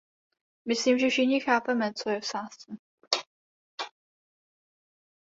Myslím, že všichni chápeme, co je v sázce.